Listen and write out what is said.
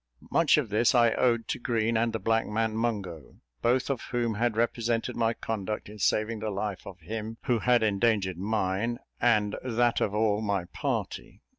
Much of this I owed to Green, and the black man Mungo, both of whom had represented my conduct in saving the life of him who had endangered mine and that of all my party.